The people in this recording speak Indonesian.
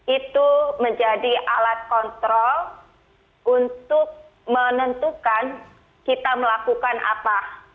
itu menjadi alat kontrol untuk menentukan kita melakukan apa